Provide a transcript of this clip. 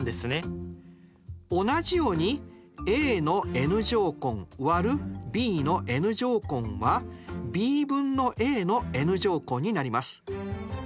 同じようにａのｎ乗根÷ｂのｎ乗根はｂ分のａのｎ乗根になります。